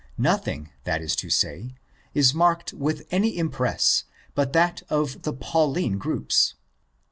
Nothing, that is to say, is marked with any impress but that of the Pauline groups.